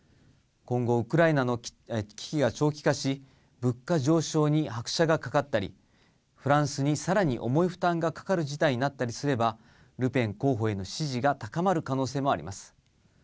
今後、ウクライナの危機が長期化し、物価上昇に拍車がかかったり、フランスにさらに重い負担がかかる事態になったりすれば、ルペン候補への支持が高まる可能性もあります。